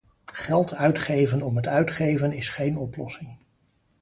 Geld uitgeven om het uitgeven is geen oplossing.